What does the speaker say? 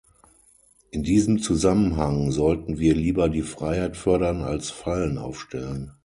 In diesem Zusammenhang sollten wir lieber die Freiheit fördern, als Fallen aufstellen.